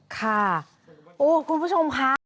ค่ะโอ้คุณผู้ชมค่ะ